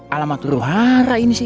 alamat ruhara ini sih